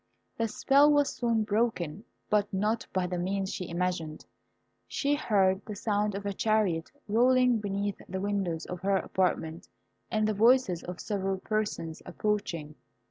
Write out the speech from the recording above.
The spell was soon broken, but not by the means she imagined. She heard the sound of a chariot rolling beneath the windows of her apartment, and the voices of several persons approaching.